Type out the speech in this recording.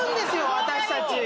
私たち。